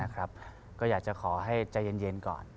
ก็อยากจะขอให้ใจเย็นก่อน